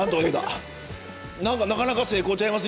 何かなかなか成功ちゃいます？